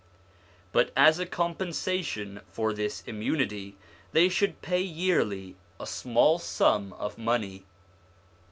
But as a com pensation for this immunity, they should pay yearly a small sum of money.